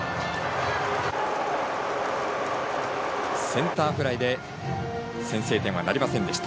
センターフライで先制点なりませんでした。